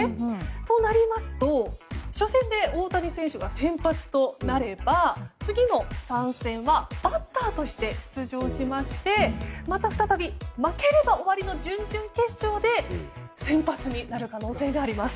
そうなりますと初戦で大谷選手が先発となれば次の３戦はバッターとして出場しましてまた再び負ければ終わりの準々決勝で先発になる可能性があります。